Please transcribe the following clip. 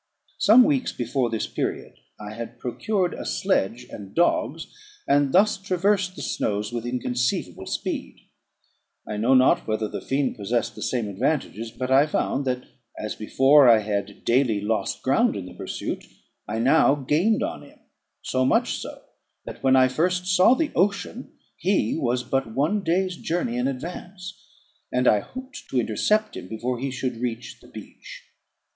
Some weeks before this period I had procured a sledge and dogs, and thus traversed the snows with inconceivable speed. I know not whether the fiend possessed the same advantages; but I found that, as before I had daily lost ground in the pursuit, I now gained on him: so much so, that when I first saw the ocean, he was but one day's journey in advance, and I hoped to intercept him before he should reach the beach.